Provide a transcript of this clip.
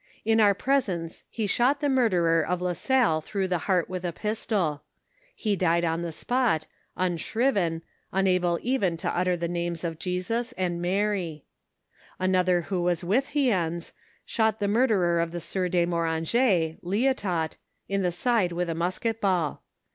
In our presence he shot the murderer of La Salle through the heart with a pistol ; he died on the spot, unshriven, unable even to utter the names "ifr : X 216 NABRATIVE OF FATHER DOFAT. of Jesns and Mary. Another who was with Hiens, shot the murderer of the sieur de Moranget (Liotot), in the side with a musket ball.